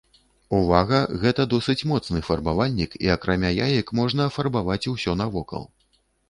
Увага, гэта досыць моцны фарбавальнік і, акрамя яек, можна афарбаваць усё навокал.